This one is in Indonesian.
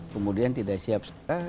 kemudian tidak siap setelah